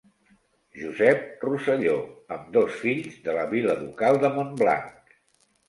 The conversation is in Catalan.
Josep Rosselló, ambdós fills de la vila ducal de Montblanc.